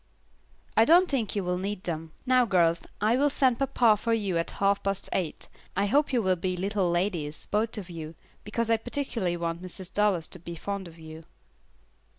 "I don't think you will need them. Now, girls, I will send papa for you at half past eight. I hope you will be little ladies, both of you, because I particularly want Mrs. Hardy to be fond of you."